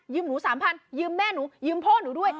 ยืมหนูสามพันยืมแม่หนูยืมพ่อหนูด้วย